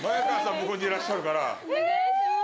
向こうにいらっしゃるからお願いします